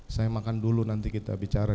saya makan dulu nanti kita bicara